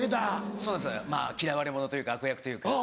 そうです嫌われ者というか悪役というか。